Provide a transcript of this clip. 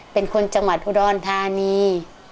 เป็นคนจังหวัดอุดรธานี